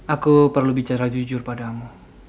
aku perlu bicara jujur padamu